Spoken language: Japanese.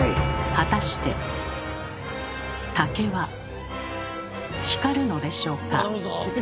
果たして竹は光るのでしょうか？